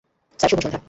Sir, শুভসন্ধ্যা।